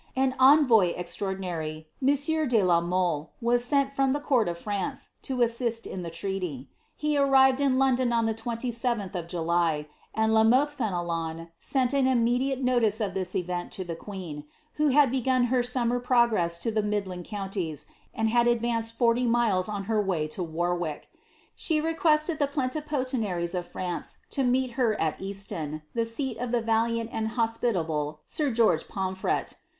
An envoy extraordinary, monsieur de la Mole, was sent I the court of France, to assist in the treaty. He arrived in London he 27th of July, and La Mothe Fenelon sent an immediate notice of event to the queen, who had begun her summer progress to the land counties, and had advanced forty miles on her way to Warwick, requested the plenipotentiaries of France to meet her at Easton, the of the valiant and hospitable sir George Pomfret.